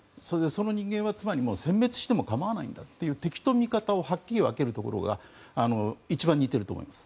その人間はつまりもう殲滅しても構わないんだという敵と味方をはっきり分けるところが一番似ていると思います。